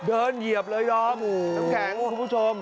เดินเหยียบเลยคุณผู้ชม